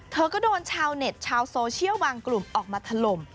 เธอก็โดนชาวเน็ตชาวโซเชียลบางกลุ่มออกมาถล่ม